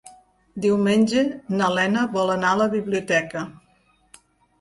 Diumenge na Lena vol anar a la biblioteca.